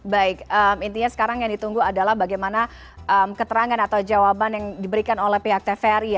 baik intinya sekarang yang ditunggu adalah bagaimana keterangan atau jawaban yang diberikan oleh pihak tvri